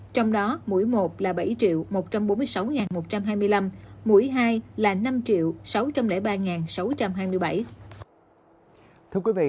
trong đó mũi một là bảy một trăm bốn mươi sáu một trăm hai mươi năm mũi hai là năm sáu trăm linh ba sáu trăm hai mươi bảy